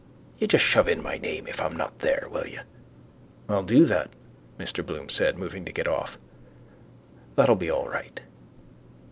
You just shove in my name if I'm not there, will you? —I'll do that, Mr Bloom said, moving to get off. That'll be all right.